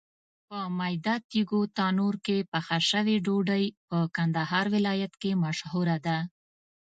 په میده تېږو تنور کې پخه شوې ډوډۍ په کندهار ولایت کې مشهوره ده.